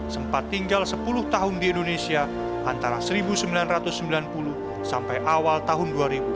sempat tinggal sepuluh tahun di indonesia antara seribu sembilan ratus sembilan puluh sampai awal tahun dua ribu dua